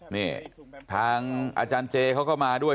นี่ทางอาจารย์เจเขาก็มาด้วย